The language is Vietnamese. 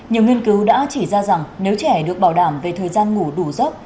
nhiều nghiên cứu đã chỉ ra rằng nếu trẻ được bảo đảm về thời gian ngủ đủ giấc